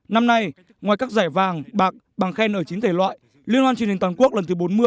năm nay ngoài các giải vàng bạc bằng khen ở chín thể loại liên hoan truyền hình toàn quốc lần thứ bốn mươi